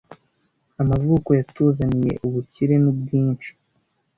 Amavuko yatuzaniye ubukire nubwinshi,